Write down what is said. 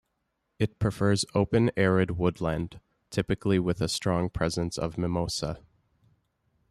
It prefers open arid woodland, typically with a strong presence of mimosa.